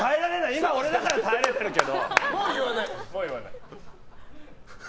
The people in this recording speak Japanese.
今、俺だから耐えれてるけど。